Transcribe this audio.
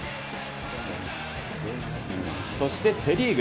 そして、セ・リーグ。